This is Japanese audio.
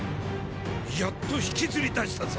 やっと引きずり出したぞ。